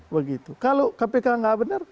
begitu kalau kpk nggak benar